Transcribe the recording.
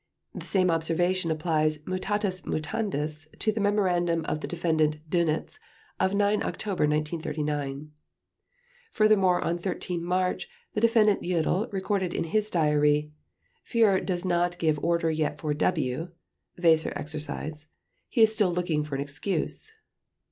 The same observation applies mutatis mutandis to the memorandum of the Defendant Dönitz of 9 October 1939. Furthermore, on 13 March the Defendant Jodl recorded in his diary: "Führer does not give order yet for 'W' (Weser Exercise). He is still looking for an excuse."